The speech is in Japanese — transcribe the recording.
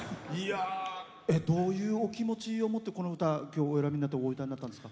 どういうお気持ちを持ってこの歌、きょうお歌いになったんですか？